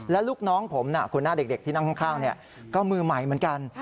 แล้วลูกน้องผมคุณหน้าเด็กที่นั่งข้างก็มือใหม่เหมือนกัน